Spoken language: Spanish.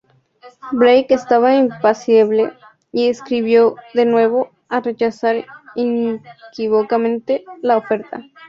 Blake estaba impasible, y escribió de nuevo a rechazar inequívocamente la oferta.